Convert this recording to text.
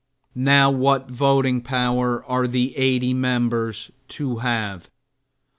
Now what voting power are the eighty members to have?